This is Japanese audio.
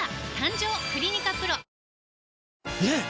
ねえ‼